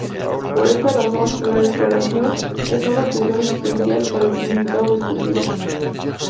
Por esta razón, la "declaración" es una "función existencial" para el "significado discursivo".